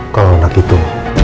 kalau anak itu